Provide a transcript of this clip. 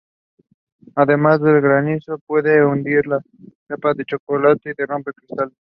Además, el granizo puede hundir la chapa de coches y ¡romper cristales!